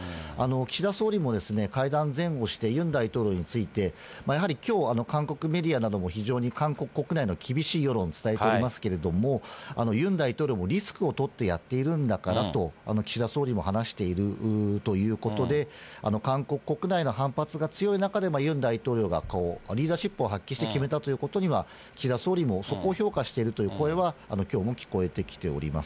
岸田総理も会談前後して、ユン大統領について、やはりきょう、韓国メディアなども非常に韓国国内の厳しい世論、伝えておりますけれども、ユン大統領もリスクを取ってやっているんだからと、岸田総理も話しているということで、韓国国内の反発が強い中でユン大統領がリーダーシップを発揮して決めたということには、岸田総理も、そこを評価しているという声は、きょうも聞こえてきております。